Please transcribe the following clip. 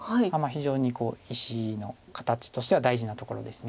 非常に石の形としては大事なところです。